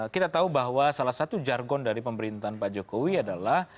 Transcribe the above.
kita tahu bahwa salah satu jargon dari pemerintahan pak jokowi adalah